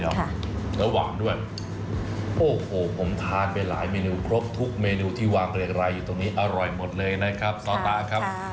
แล้วระหว่างด้วยโอ้โหผมทานไปหลายเมนูครบทุกเมนูที่วางเรียงรายอยู่ตรงนี้อร่อยหมดเลยนะครับซอตาครับ